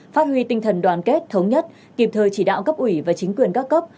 phát huy tinh thần đoàn kết thống nhất kịp thời chỉ đạo cấp ủy và chính quyền các cấp